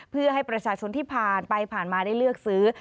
เพื่อให้ประชาชนที่ผ่านไปผ่านมาได้เลือกซื้อ